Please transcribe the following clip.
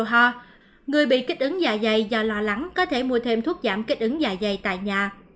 nếu không có người bị kích ứng dạ dày do lo lắng có thể mua thêm thuốc giảm kích ứng dạ dày tại nhà